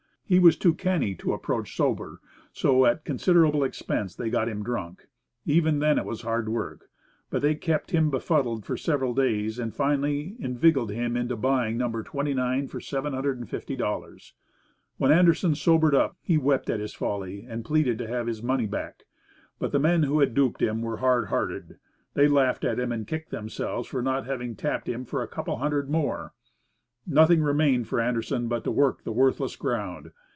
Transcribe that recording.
He was too canny to approach sober, so at considerable expense they got him drunk. Even then it was hard work, but they kept him befuddled for several days, and finally, inveigled him into buying No. 29 for $750. When Anderson sobered up, he wept at his folly, and pleaded to have his money back. But the men who had duped him were hard hearted. They laughed at him, and kicked themselves for not having tapped him for a couple of hundred more. Nothing remained for Anderson but to work the worthless ground.